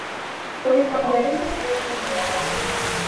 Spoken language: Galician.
Poden cambiar esas e outras moitas.